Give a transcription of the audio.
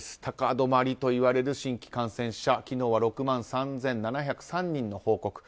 高止まりといわれる新規感染者昨日は６万３７０３人の報告。